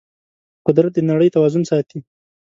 قدرت د نړۍ توازن ساتي.